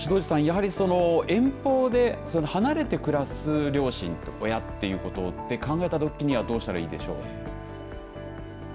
やっぱり遠方で離れて暮らす両親と親ということで考えたときにはどうしたらいいでしょう。